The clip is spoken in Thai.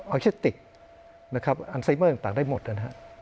เชติกนะครับอันไซเมอร์ต่างได้หมดนะฮะ